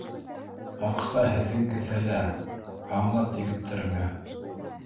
Аҡса һеҙҙең кеҫәлә, аңлат егеттәреңә